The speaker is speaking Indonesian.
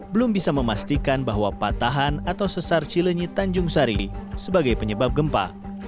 belum bisa memastikan bahwa patahan atau sesar cilenyi tanjung sari sebagai penyebab gempa